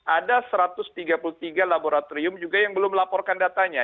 ada satu ratus tiga puluh tiga laboratorium juga yang belum melaporkan datanya